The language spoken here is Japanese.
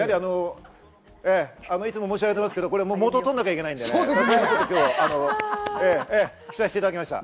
いつも申し上げていますが、元を取らなきゃいけないので、着させていただきました。